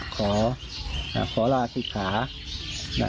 ก็ขอลาศิษย์ค่ะ